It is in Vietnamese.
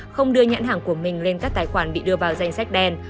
không đưa nhãn hàng của mình lên các tài khoản bị đưa vào danh sách đen